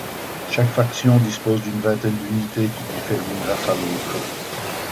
Chaque faction dispose d’une vingtaine d’unités qui diffèrent d’une race à l’autre.